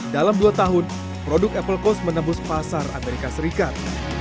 dalam dua tahun produk apple coast menembus pasar amerika serikat